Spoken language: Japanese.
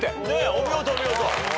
お見事お見事。